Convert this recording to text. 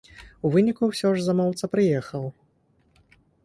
У выніку ўсё ж замоўца прыехаў.